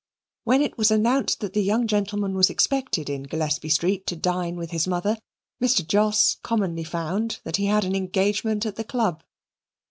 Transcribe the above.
When it was announced that the young gentleman was expected in Gillespie Street to dine with his mother, Mr. Jos commonly found that he had an engagement at the Club.